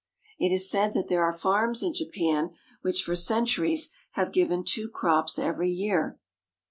It is said that there are farms in Japan which for centuries have given two crops every year.